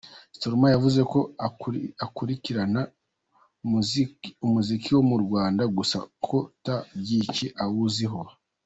Stromae yavuze ko akurikirana umuziki wo mu Rwanda gusa ko nta byinshi awuziho.